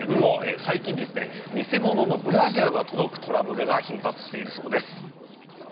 最近は偽物のブラジャーが届くトラブルが頻発しているそうです。